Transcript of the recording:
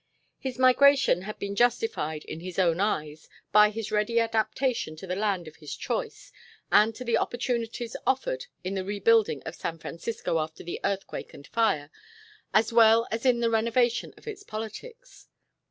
His migration had been justified in his own eyes by his ready adaptation to the land of his choice and to the opportunities offered in the rebuilding of San Francisco after the earthquake and fire, as well as in the renovation of its politics.